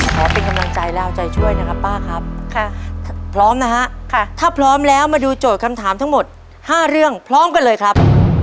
ขอเป็นกำลังใจและเอาใจช่วยนะครับป้าครับพร้อมนะฮะถ้าพร้อมแล้วมาดูโจทย์คำถามทั้งหมด๕เรื่องพร้อมกันเลยครับ